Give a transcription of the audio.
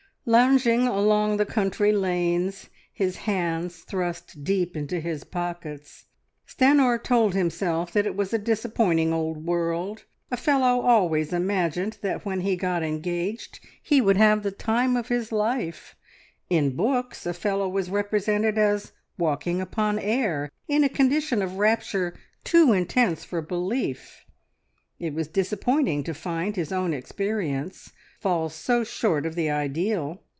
Lounging along the country lanes, his hands thrust deep into his pockets, Stanor told himself that it was a disappointing old world: a fellow always imagined that when he got engaged he would have the time of his life; in books a fellow was represented as walking upon air, in a condition of rapture too intense for belief it was disappointing to find his own experience fall so short of the ideal!